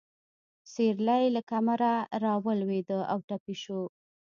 سېرلی له کمره راولوېده او ټپي شو.